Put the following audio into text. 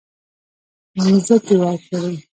مځکې ورکړې.